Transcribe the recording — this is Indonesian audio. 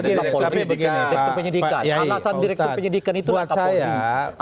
direktur penyidikan atasan direktur penyidikan itu atas kapolri